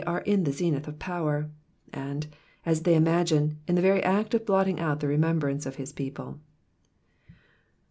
are in the eenith of power ; and, as they imiigine, in the very act of blotting out the remembrunce of his people.